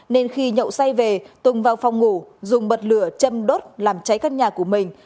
nên khi nhậu say về tùng vào phòng ngủ dùng bật lửa chăm đốt làm cháy căn nhà của mình